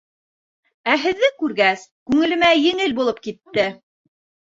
Ә һеҙҙе күргәс, күңелемә еңел булып китте!